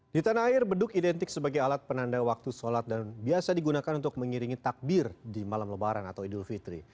di tanah air beduk identik sebagai alat penanda waktu sholat dan biasa digunakan untuk mengiringi takbir di malam lebaran atau idul fitri